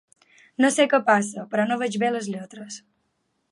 No sé què passa, però no veig bé les lletres.